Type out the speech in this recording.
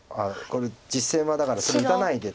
これ実戦はだからそれ打たないで。